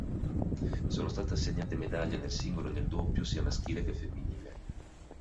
Sono state assegnate medaglie nel singolo e nel doppio sia maschile che femminile.